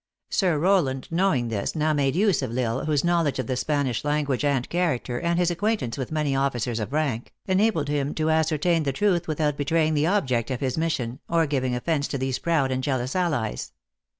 Sir Rowland, knowing this, now made use of L Isle, whose knowledge of the Spanish language and character, and his acquaintance with many officers of rank, enabled him to ascertain the truth without betraying the object of his mission, or giving offence to these proud and jealous allies.